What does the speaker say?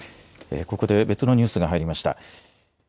ここで別のニュースが入りました。